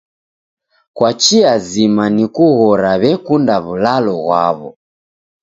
Kwa chia zima ni kughora, w'ekunda w'ulalo ghwaw'o.